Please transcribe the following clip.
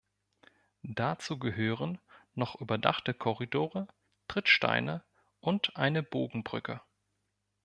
Dazu gehören noch überdachte Korridore, Trittsteine und eine Bogenbrücke.